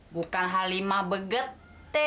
bukan halimah begette